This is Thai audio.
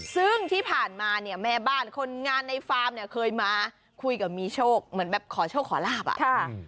ซึ่งที่ผ่านมาเนี่ยแม่บ้านคนงานในฟาร์มเนี่ยเคยมาคุยกับมีโชคเหมือนแบบขอโชคขอลาบอ่ะค่ะ